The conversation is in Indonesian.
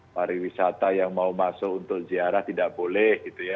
pariwisata yang mau masuk untuk ziarah tidak boleh gitu ya